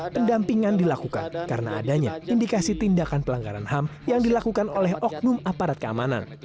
pendampingan dilakukan karena adanya indikasi tindakan pelanggaran ham yang dilakukan oleh oknum aparat keamanan